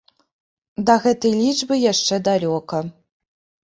Да гэтай лічбы яшчэ далёка.